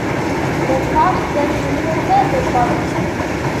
Records, then Universal Records.